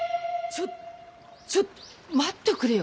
ちょちょ待っとくれよ。